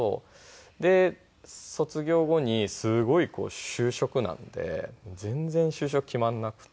で卒業後にすごい就職難で全然就職決まらなくて。